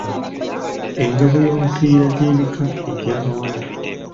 Engabo y'omu mipiira gy’ebika egya bawala.